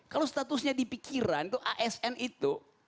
kalau statusnya di pikiran itu asn itu